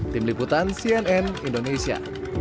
tim liputan cnn indonesia